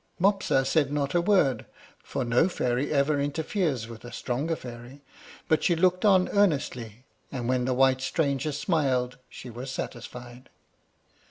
Mopsa said not a word, for no fairy ever interferes with a stronger fairy; but she looked on earnestly, and when the white stranger smiled she was satisfied.